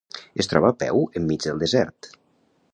Es troba a peu enmig del desert.